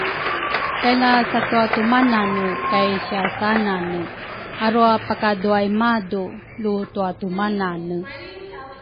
Kay lasatumatumanane kay siasasanane arwa pakaduay madu lutwatumanane